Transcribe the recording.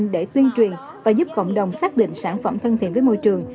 để tuyên truyền và giúp cộng đồng xác định sản phẩm thân thiện với môi trường